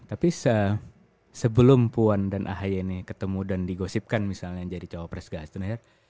tapi sebelum puan dan ahaya ini ketemu dan digosipkan misalnya jadi cowok presiden